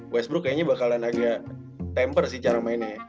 westbrook kayaknya bakalan agak temper sih cara mainnya ya